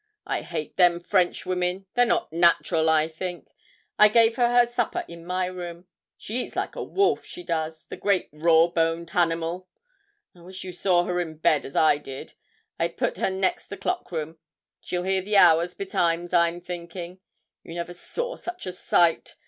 'I hate them French women; they're not natural, I think. I gave her her supper in my room. She eats like a wolf, she does, the great raw boned hannimal. I wish you saw her in bed as I did. I put her next the clock room she'll hear the hours betimes, I'm thinking. You never saw such a sight.